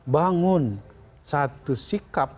bangun satu sikap